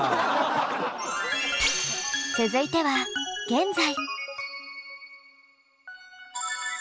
続いては現在。